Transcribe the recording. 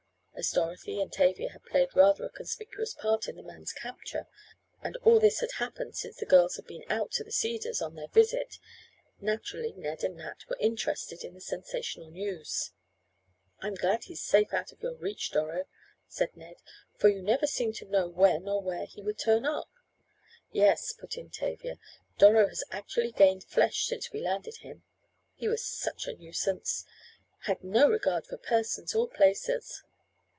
As Dorothy and Tavia had played rather a conspicuous part in the man's capture, and all this had happened since the girls had been out to the Cedars, on their visit, naturally Ned and Nat were interested in the sensational news. "I'm glad he's safe out of your reach, Doro," said Ned, "for you never seemed to know when or where he would turn up." "Yes," put in Tavia, "Doro has actually gained flesh since we landed him. He was such a nuisance. Had no regard for persons or places."